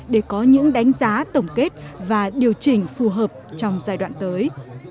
để có những đánh giá tổng kết và điều chỉnh phù hợp trong giai đoạn tới